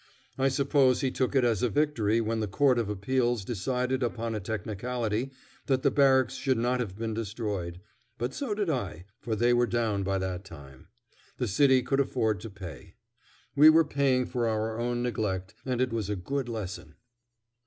I suppose he took it as a victory when the Court of Appeals decided upon a technicality that the Barracks should not have been destroyed; but so did I, for they were down by that time. The city could afford to pay. We were paying for our own neglect, and it was a good lesson.